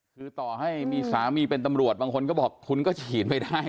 คือต่อให้มีสามีเป็นตำรวจบางคนก็บอกคุณก็ฉีดไม่ได้